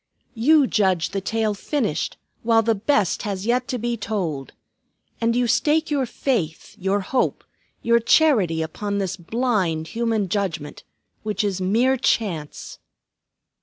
You judge the tale finished while the best has yet to be told. And you stake your faith, your hope, your charity upon this blind human judgment, which is mere Chance!"